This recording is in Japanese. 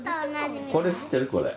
これ知ってる、これ。